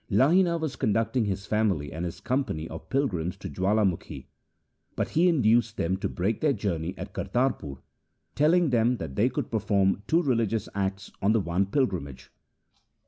Lahina was conducting his family and his com pany of pilgrims to Jawalamukhi, but he induced them to break their journey at Kartarpur, telling them that they could perform two religious acts on the one pilgrimage.